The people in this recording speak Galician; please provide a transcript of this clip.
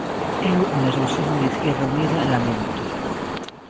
Eu o nerviosismo de Izquierda Unida laméntoo.